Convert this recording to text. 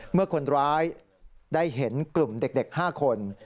เมื่อคนร้ายได้เห็นกลุ่มเด็ก๕คน